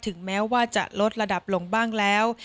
ถึงแม้ว่าจะลดระดับลงบ้างแล้ว